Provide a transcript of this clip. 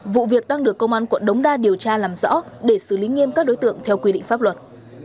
vụ việc đang được công an quận đống đa điều tra làm rõ để xử lý nghiêm các đối tượng theo quy định pháp luật